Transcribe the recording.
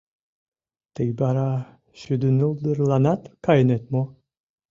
Тый вара шӱдынылдырланат кайынет мо?